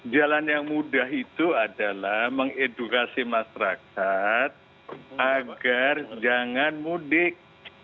jalan yang mudah itu adalah mengedukasi masyarakat agar jangan mudik